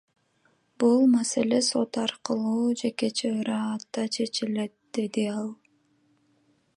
Бул маселе сот аркылуу жекече ыраатта чечилет, — деди ал.